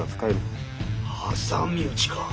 挟み撃ちか。